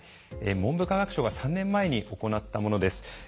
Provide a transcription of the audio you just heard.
文部科学省が３年前に行ったものです。